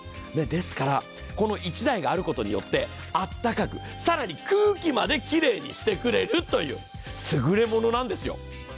この１台があることによってあったかく、更に空気まできれいにしてくれるというスグレモノなんです。